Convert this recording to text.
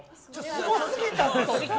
すごすぎたんですよね。